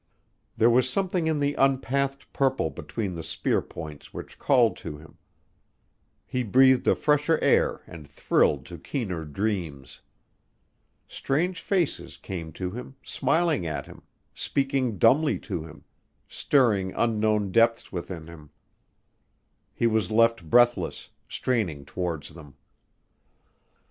There was something in the unpathed purple between the spear points which called to him. He breathed a fresher air and thrilled to keener dreams. Strange faces came to him, smiling at him, speaking dumbly to him, stirring unknown depths within him. He was left breathless, straining towards them.